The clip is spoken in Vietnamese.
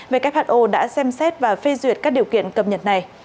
who đã xem xét và phê duyệt các điều kiện cập nhật này